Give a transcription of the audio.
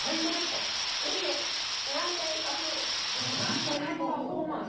いいえ、軟体パフォーマンス。